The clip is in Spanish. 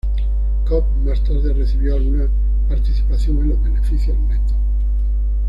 Cobb más tarde recibió alguna participación en los beneficios netos.